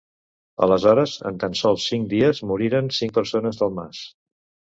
Aleshores, en tan sols cinc dies, moriren cinc persones del mas.